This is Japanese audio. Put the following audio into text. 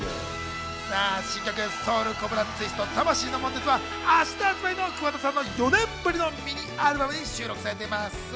新曲『Ｓｏｕｌコブラツイスト魂の悶絶』は明日発売の桑田さんの４年ぶりのミニアルバムに収録されています。